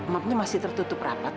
mapnya masih tertutup rapateter